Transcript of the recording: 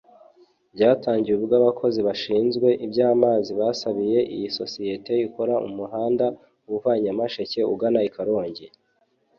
Byatangiye ubwo abakozi bashinzwe iby’amazi basabiye iyi sosiyete ikora umuhanda uva Nyamasheke ugana i Karongi